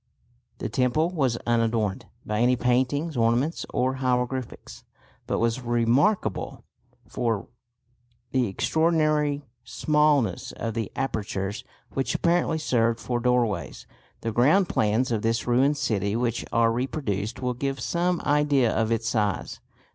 The temple was unadorned by any paintings, ornaments or hieroglyphics, but was remarkable for the extraordinary smallness of the apertures which apparently served for doorways. The ground plans of this ruined city which are reproduced will give some idea of its size.